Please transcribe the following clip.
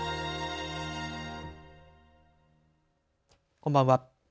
こんばんは。